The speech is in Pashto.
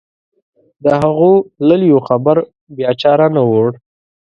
د هغو تللیو خبر بیا چا رانه وړ.